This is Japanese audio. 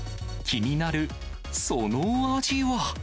気になるそのお味は。